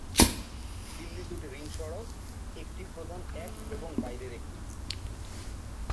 দিল্লি দুটি রিং সড়ক, একটি প্রধান এক এবং বাইরের একটি।